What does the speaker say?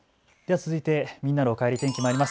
続いてみんなのおかえり天気まいります。